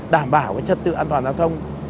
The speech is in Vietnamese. đảm bảo cái chất tự an toàn giao thông